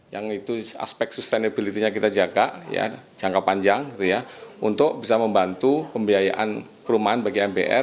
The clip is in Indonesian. yang itu aspek sustainability nya kita jaga jangka panjang untuk bisa membantu pembiayaan perumahan bagi mpr